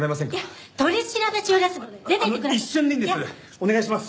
お願いします！